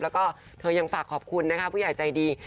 แล้วก็เธอยังฝากขอบคุณนะคะผู้ใหญ่ใจดี